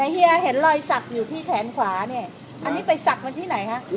เฮียเห็นรอยสักอยู่ที่แขนขวาเนี่ยอันนี้ไปศักดิ์มันที่ไหนคะ